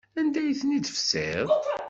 Anda ay ten-id-tefsiḍ?